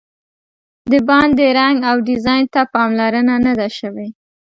د باندې رنګ او ډیزاین ته پاملرنه نه ده شوې.